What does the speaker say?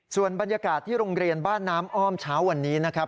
ส่วนบรรยากาศที่โรงเรียนบ้านน้ำอ้อมเช้าวันนี้นะครับ